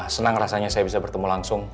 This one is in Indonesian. senang rasanya saya bisa bertemu langsung